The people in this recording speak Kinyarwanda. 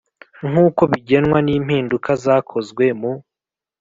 nk uko bigenwa n impinduka zakozwe mu